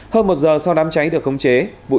hơn một giờ sau đám cháy được khống chế